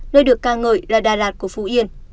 nơi được ca ngợi là đà lạt của phú yên